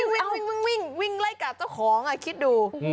วิ่งวิ่งไล่กัดเจ้าของคิดดู